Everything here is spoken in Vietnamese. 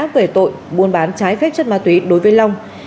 về tội mua bán trái phép chất ma túy đối với long